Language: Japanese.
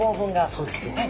そうですね。